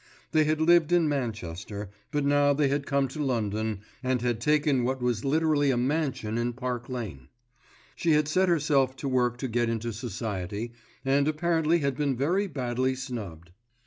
They had lived in Manchester, but now they had come to London and taken what was literally a mansion in Park Lane. She had set herself to work to get into Society, and apparently had been very badly snubbed.